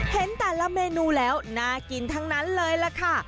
เห็นแต่ละเมนูแล้วน่ากินทั้งนั้นเลยล่ะค่ะ